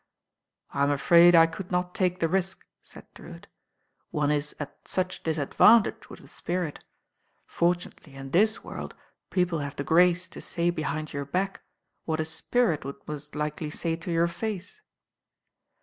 "I am afraid I could not take the risk," said Drewitt. "One is at such disadvantage with a spirit Fortunately in this world people have the grace to say behind your back what a spirit would most likely say to your face."